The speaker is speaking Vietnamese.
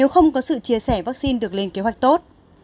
nếu không có sự chia sẻ vaccine được lên kế hoạch tốt